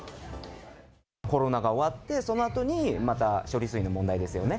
コロナが終わって、そのあとにまた処理水の問題ですよね。